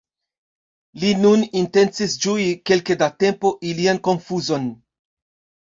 Li nur intencis ĝui kelke da tempo ilian konfuzon!